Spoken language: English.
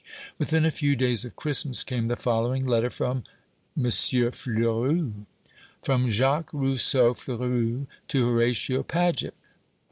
Within a few days of Christmas came the following letter from M. Fleurus: From Jacques Rousseau Fleurus to Horatio Paget.